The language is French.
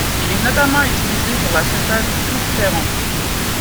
Il est notamment utilisé pour la synthèse du cupferron.